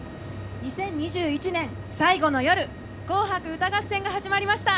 ２０２１年最後の夜「紅白歌合戦」が始まりました！